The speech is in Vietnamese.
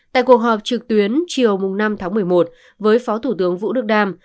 trường hợp trực tuyến chiều năm một mươi một với phó thủ tướng vũ đức đam